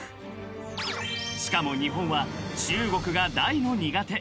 ［しかも日本は中国が大の苦手］